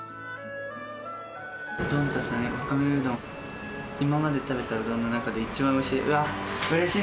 どんたさんへ、わかめうどん、今まで食べたうどんの中で一番おいしい。